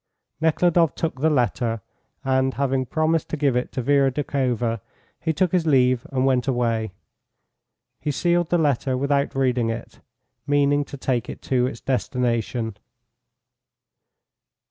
Nekhludoff took the letter, and, having promised to give it to Vera Doukhova, he took his leave and went away. He sealed the letter without reading it, meaning to take it to its destination.